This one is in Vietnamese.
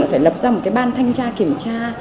phải lập ra một cái ban thanh tra kiểm tra